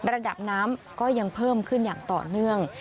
ระดับน้ำก็ยังเพิ่มขึ้นอย่างต่อเนื่อง